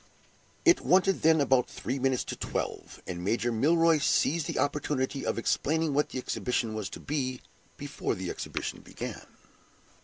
It wanted then about three minutes to twelve; and Major Milroy seized the opportunity of explaining what the exhibition was to be, before the exhibition began.